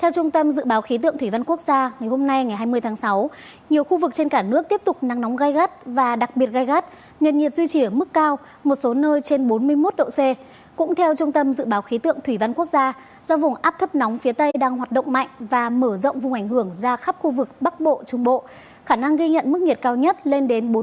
các bạn hãy đăng ký kênh để ủng hộ kênh của chúng mình nhé